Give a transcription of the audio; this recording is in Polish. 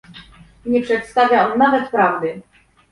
Nie przedstawia on nawet prawdy